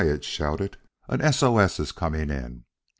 it shouted. "An S. O. S. is coming in.